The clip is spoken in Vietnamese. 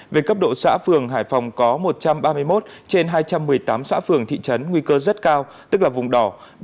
về cấp độ xã phường hải phòng có một trăm ba mươi một trên hai trăm một mươi tám xã phường thị trấn nguy cơ rất cao tức là vùng đỏ